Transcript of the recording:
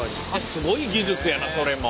すごい技術やなそれも。